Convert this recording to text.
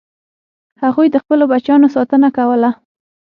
هغوی د خپلو بچیانو ساتنه کوله.